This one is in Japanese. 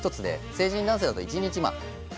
成人男性だと１日１．６ｇ。